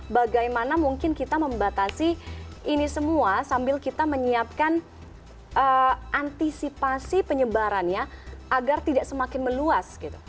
bagaimana mungkin kita membatasi ini semua sambil kita menyiapkan antisipasi penyebarannya agar tidak semakin meluas gitu